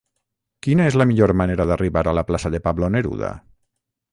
Quina és la millor manera d'arribar a la plaça de Pablo Neruda?